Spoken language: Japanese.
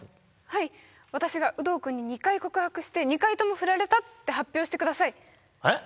はい私がウドウ君に２回告白して２回ともフラれたって発表してくださいえっ？